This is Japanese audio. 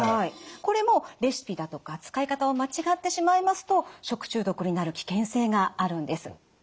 これもレシピだとか使い方を間違ってしまいますと食中毒になる危険性があるんです。